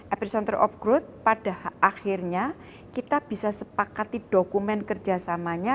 epicenter of growth pada akhirnya kita bisa sepakati dokumen kerjasamanya